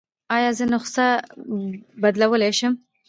ایا زه نسخه بدلولی شم؟